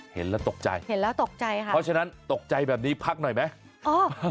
เห็นแล้วตกใจเพราะฉะนั้นตกใจแบบนี้พักหน่อยไหม